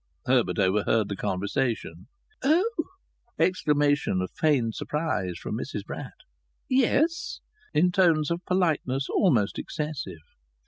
Herbert overheard the conversation. "Oh!" Exclamation of feigned surprise from Mrs Bratt. "Yes?" In tones of a politeness almost excessive.